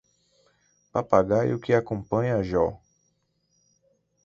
Papagaio que acompanha Jo